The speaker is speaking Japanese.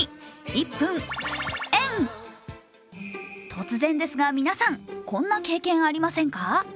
突然ですが皆さん、こんな経験、ありませんか？